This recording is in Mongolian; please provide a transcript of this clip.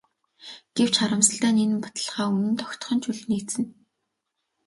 Гэвч харамсалтай нь энэ баталгаа үнэнд огтхон ч үл нийцнэ.